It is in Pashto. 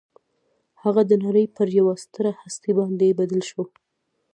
هغه د نړۍ پر یوه ستره هستي باندې بدل شو